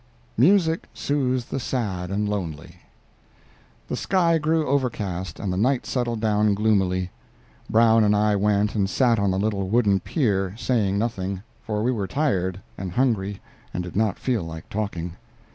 "MUSIC SOOTHES THE SAD AND LONELY" The sky grew overcast, and the night settled down gloomily. Brown and I went and sat on the little wooden pier, saying nothing, for we were tired and hungry and did not feel like talking.